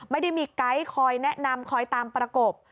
ไม่ได้มีไกด์คอยแนะนำคอยตามประกบ